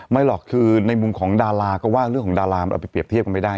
หรอกคือในมุมของดาราก็ว่าเรื่องของดารามันเอาไปเรียบเทียบกันไม่ได้